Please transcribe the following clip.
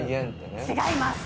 違います。